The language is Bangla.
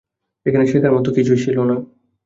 এখানে শেখার মত কত কিছুই না ছিল।